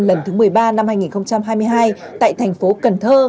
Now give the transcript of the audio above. lần thứ một mươi ba năm hai nghìn hai mươi hai tại thành phố cần thơ